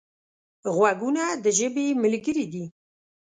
غوږونه د ژبې ملګري دي